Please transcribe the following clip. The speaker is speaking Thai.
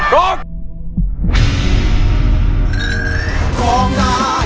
ร้อง